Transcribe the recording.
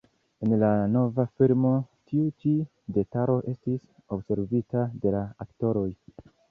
En la nova filmo tiu ĉi detalo estis observita de la aktoroj.